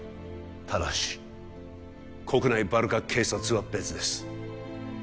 ただし国内バルカ警察は別です